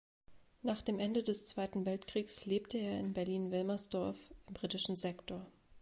Nach dem Ende des Zweiten Weltkriegs lebte er in Berlin-Wilmersdorf im britischen Sektor.